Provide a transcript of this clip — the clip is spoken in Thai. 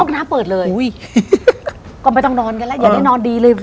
หน้าเปิดเลยก็ไม่ต้องนอนกันแล้วอย่าได้นอนดีเลย